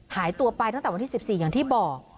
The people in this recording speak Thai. หายตัวไปตั้งแต่วันที่๑๔อย่างที่บอก